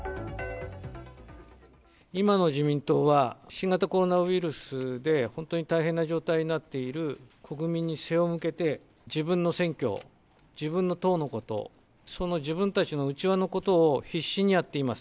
今の自民党は、新型コロナウイルスで本当に大変な状態になっている国民に背を向けて、自分の選挙、自分の党のこと、その自分たちの内輪のことを必死にやっています。